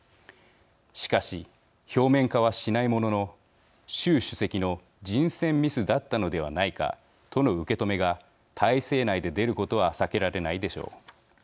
しかし表面化はしないものの習主席の人選ミスだったのではないかとの受け止めが体制内で出ることは避けられないでしょう。